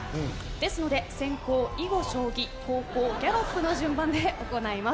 ですので先攻囲碁将棋後攻ギャロップの順番で行います